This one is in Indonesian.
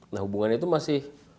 nah hubungannya itu masih